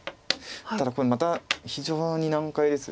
ただこれまた非常に難解です。